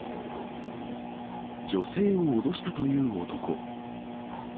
女性を脅したという男。